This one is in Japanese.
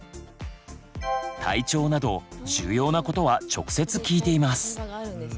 体調など重要なことは直接聞いています。